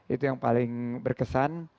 itu yang paling berkesan